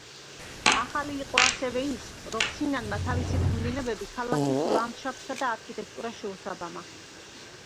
ახალი იყო ასევე ის, რომ სინანმა თავისი ქმნილებები ქალაქის ლანდშაფტსა და არქიტექტურას შეუსაბამა.